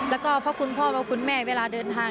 แล้วก็เพราะคุณพ่อพระคุณแม่เวลาเดินทาง